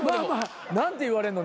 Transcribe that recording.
何て言われんの？